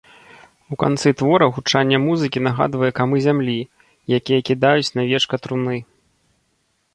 У канцы твора гучанне музыкі нагадвае камы зямлі, якія кідаюць на вечка труны.